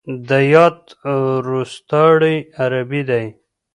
د يات روستاړی عربي دی.